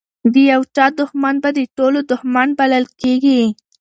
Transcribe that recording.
د یو چا دښمن به د ټولو دښمن بلل کیږي.